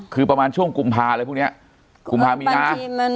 คือประมาณช่วงกุมภาอะไรพวกนี้กุมภามีนา